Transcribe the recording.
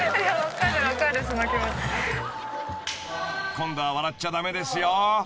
［今度は笑っちゃ駄目ですよ］